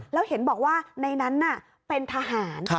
แล้วเห็นบอกว่าในนั้นเป็นทหาร